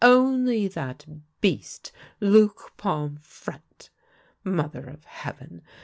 Only that beast Luc Pomfrette ! Mother of heaven